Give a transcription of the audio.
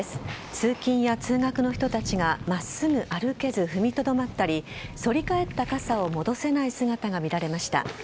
通勤や通学の人たちが真っすぐ歩けず踏みとどまったり反り返った傘を戻せない姿が見られました。